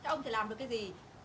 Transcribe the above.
ông thì làm được cái gì